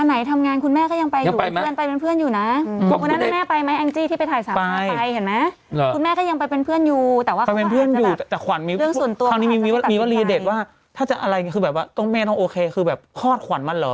เหมือนแกไม่ชอบแม่โอเคเนี่ยครับ